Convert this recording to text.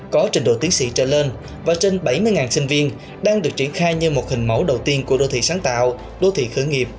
có trình độ tiến sĩ trở lên và trên bảy mươi sinh viên đang được triển khai như một hình mẫu đầu tiên của đô thị sáng tạo đô thị khởi nghiệp